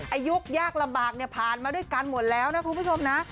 อายุยากลำบากเนี่ยผ่านมาด้วยกันหมดแล้วนะคุณผู้ชมนะ